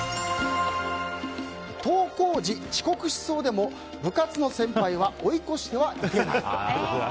登校時、遅刻しそうでも部活の先輩は追い越してはいけない。